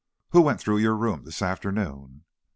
"Who went through your room this afternoon?"